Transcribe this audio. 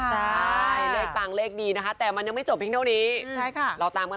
ใช่เลขปังเลขดีนะคะแต่มันยังไม่จบเพียงเท่านี้